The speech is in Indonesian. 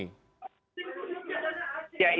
ya itu yang harus dijelaskan